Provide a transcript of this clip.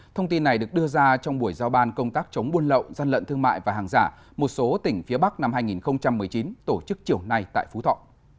thông tin này được đưa ra trong buổi giao ban công tác chống buôn lậu gian lận thương mại và hàng giả một số tỉnh phía bắc năm hai nghìn một mươi chín tổ chức chiều nay tại phú thọ